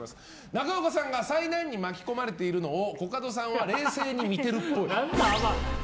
中岡さんが災難に巻き込まれているのをコカドさんは冷静に見てるっぽい。